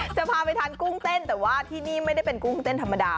จะพาไปทานกุ้งเต้นแต่ว่าที่นี่ไม่ได้เป็นกุ้งเต้นธรรมดา